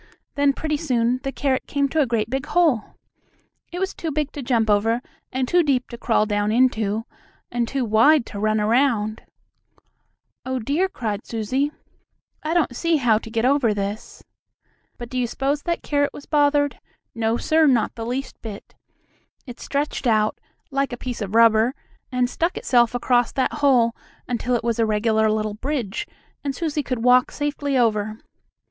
Then, pretty soon, the carrot came to a great big hole. It was too big to jump over, and too deep to crawl down into, and too wide to run around. "Oh, dear!" cried Susie, "I don't see how I'm going to get over this." But do you s'pose that carrot was bothered? No, sir; not the least bit. It stretched out, like a piece of rubber, and stuck itself across that hole until it was a regular little bridge, and Susie could walk safely over.